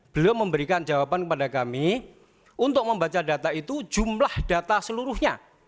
beliau memberikan jawaban kepada kami untuk membaca data itu jumlah data seluruhnya